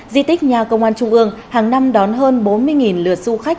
di tích nhà công an trung ương hàng năm đón hơn bốn mươi lượt du khách